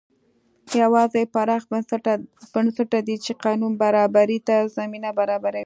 یوازې پراخ بنسټه دي چې قانون برابرۍ ته زمینه برابروي.